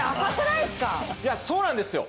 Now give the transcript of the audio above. いやそうなんですよ